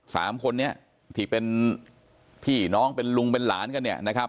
สามคนนี้ที่เป็นพี่น้องเป็นลุงเป็นหลานกันเนี่ยนะครับ